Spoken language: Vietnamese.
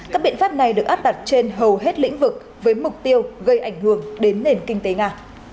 các biện pháp này được áp đặt trên hầu hết lĩnh vực với mục tiêu gây ảnh hưởng đến nền kinh tế nga